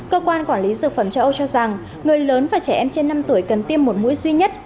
cơ quan quản lý dược phẩm châu âu cho rằng người lớn và trẻ em trên năm tuổi cần tiêm một mũi duy nhất